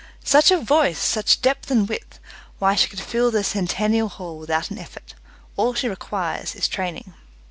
"Such a voice! Such depth and width! Why, she could fill the Centennial Hall without an effort. All she requires is training."